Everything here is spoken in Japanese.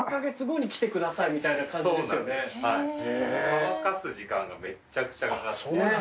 乾かす時間がめちゃくちゃかかって。